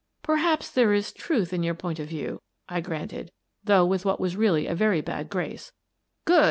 " Perhaps there is truth in your point of view," I granted, though with what was really a very bad grace. "Good!